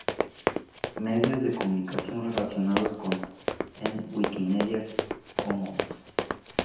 Medios de comunicación relacionados con en Wikimedia Commons